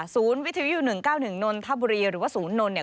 ศูนย์วิทยุ๑๙๑โนลทับบรีหรือว่าศูนนนต์